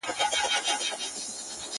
چي زمري به ښکارول هغه یې خپل وه-